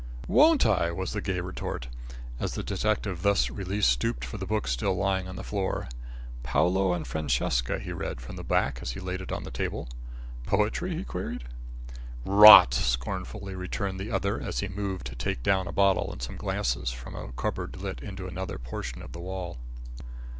"Won't I?" was the gay retort, as the detective thus released, stooped for the book still lying on the floor. "Paolo and Francesca," he read, from the back, as he laid it on the table. "Poetry?" he queried. "Rot," scornfully returned the other, as he moved to take down a bottle and some glasses from a cupboard let into another portion of the wall.